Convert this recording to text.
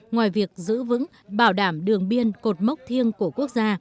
ngoài việc giữ vững bảo đảm đường biên cột mốc thiêng của quốc gia